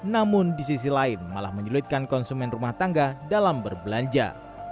namun di sisi lain malah menyulitkan konsumen rumah tangga dalam berbelanja